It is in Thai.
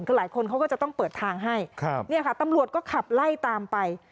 คือหลายคนเขาก็จะต้องเปิดทางให้ครับเนี่ยค่ะตำรวจก็ขับไล่ตามไป